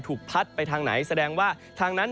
พัดไปทางไหนแสดงว่าทางนั้น